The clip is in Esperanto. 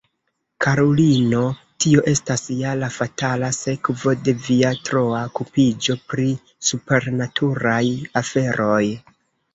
karulino, tio estas ja la fatala sekvo de via troa okupiĝo pri supernaturaj aferoj.